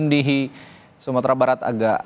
kadang di musim panas juga hujan bisa turun begitu